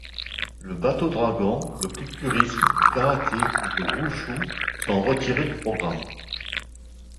Le bateau-dragon, le culturisme, le karaté et le wushu sont retirés du programme.